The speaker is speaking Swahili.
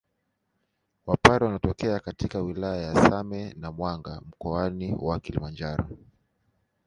Wapare wanatokea katika wilaya za Same na Mwanga mkoani wa Kilimanjaro